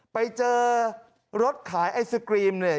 ไปเจอรถขายไอศกรีมเนี่ย